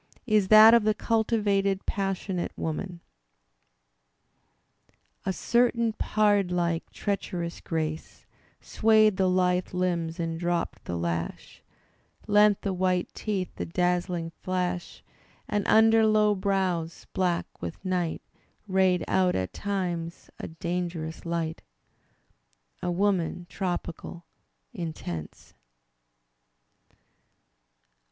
is that of the cultivated pas sionate woman: A certain pardlike, treacherous grace Swayed the Uthe limbs and dropped the lash. Digitized by Google WHITTIER 121 Lent the white teeth the dazzling flash. And under low brows, black with night. Bayed out at times a dangerous light; A woman tropical, intense.